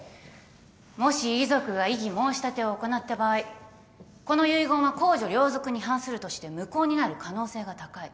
もし遺族が異議申し立てを行った場合この遺言は公序良俗に反するとして無効になる可能性が高い。